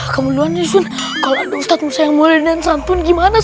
kemudian disuruh kalau di ustadz musa yang mulia dan santun gimana